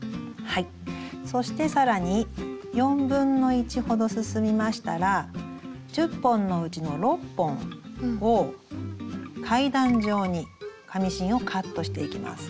そして更に1/4ほど進みましたら１０本のうちの６本を階段上に紙芯をカットしていきます。